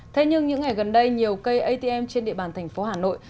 thế nhưng những ngày gần đây nhiều cây atm trên địa bàn thành phố hà nội